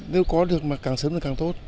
nếu có được mà càng sớm càng tốt